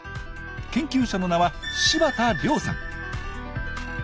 研究者の名は柴田亮さん。